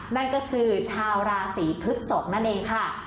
นั่นก็คือชาวราศีพฤกษกนั่นเองค่ะ